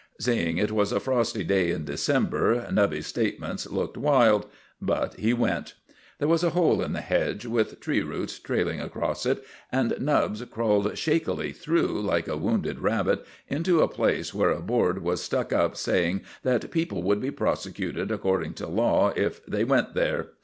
Seeing it was a frosty day in December Nubby's statements looked wild. But he went. There was a hole in the hedge, with tree roots trailing across it, and Nubbs crawled shakily through, like a wounded rabbit, into a place where a board was stuck up saying that people would be prosecuted according to law if they went there.